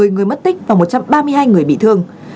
một mươi người mất tích và một trăm ba mươi hai người bị thương